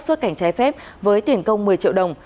xuất cảnh trái phép với tiền công một mươi triệu đồng